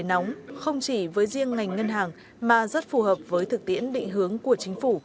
nóng không chỉ với riêng ngành ngân hàng mà rất phù hợp với thực tiễn định hướng của chính phủ